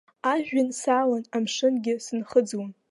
Ажәҩан салан, амшынгьы сынхыӡлон.